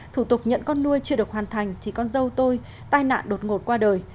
thủ tục nhận con nuôi chưa được hoàn thành thì con dâu tôi tai nạn đột ngột qua đời